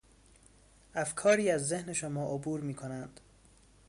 افکاری از ذهن شما عبور میکنند